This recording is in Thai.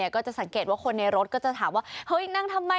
ก็จะสังเกตว่าคนในรถก็จะถามว่าเฮ้ยนั่งทำไม